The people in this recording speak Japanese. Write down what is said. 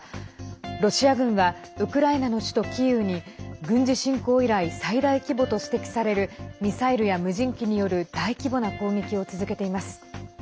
ロシア軍はウクライナの首都キーウに軍事侵攻以来最大規模と指摘されるミサイルや無人機による大規模な攻撃を続けています。